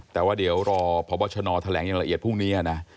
แต่ว่าเดี๋ยวรอพบชนแถลงอย่างละเอียดพรุ่งนี้นะ